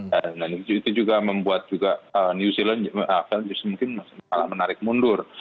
dan itu juga membuat juga new zealand new zealand mungkin malah menarik mundur